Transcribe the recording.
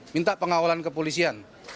minta pengawalan kepolisian